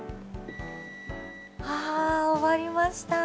はあ終わりました。